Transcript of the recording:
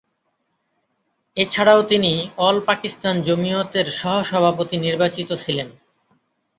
এছাড়াও তিনি অল পাকিস্তান জমিয়তের সহ-সভাপতি নির্বাচিত ছিলেন।